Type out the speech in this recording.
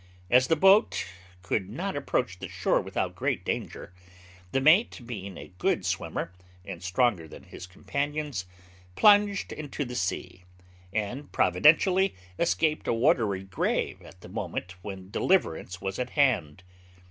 As the boat could not approach the shore without great danger, the mate, being a good swimmer, and stronger than his companions, plunged into the sea, and providentially escaped a watery grave at the moment when deliverance was at hand.